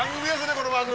この番組！